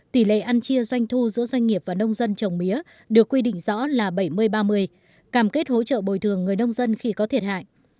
tỷ lệ ăn chia doanh thu giữa doanh nghiệp và nông dân trồng mía được quy định rõ là bảy mươi ba mươi cảm kết hỗ trợ bồi thường người nông dân khi có thiệt hại